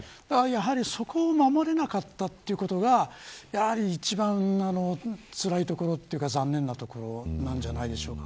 そこを守れなかったということがやはり一番つらいところというか残念なところなんじゃないでしょうか。